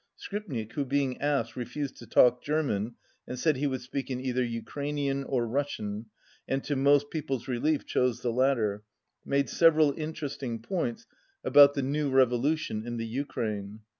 Skripnik, who, being asked, refused to talk German and said he would speak in either Ukrainian or Russia, and to most people's relief chose the latter, made several interesting points about the new revolution in the Ukraine.